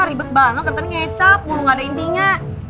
ribet banget kan tadi ngecap mau lo gak ada intinya